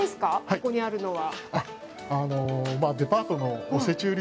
ここにあるのは。